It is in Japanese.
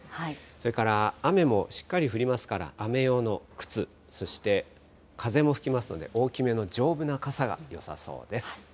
それから雨もしっかり降りますから、雨用の靴、そして風も吹きますので、大きめの丈夫な傘がよさそうです。